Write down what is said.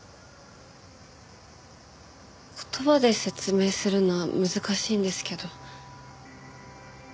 言葉で説明するのは難しいんですけど。